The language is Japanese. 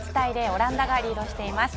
オランダがリードしています。